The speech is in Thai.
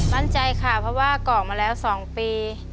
มั่นใจค่ะเพราะว่ากรอกมาแล้ว๒ปี